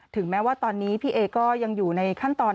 แม้ว่าตอนนี้พี่เอก็ยังอยู่ในขั้นตอน